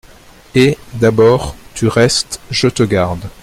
Et, d’abord, tu restes, je te garde.